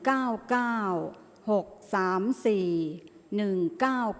ออกรางวัลที่๖เลขที่๗